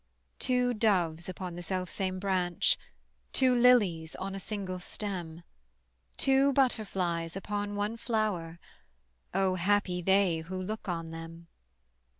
Two doves upon the selfsame branch, Two lilies on a single stem, Two butterflies upon one flower: O happy they who look on them.